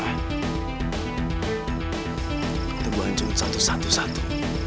atau gue hancurin satu satu satu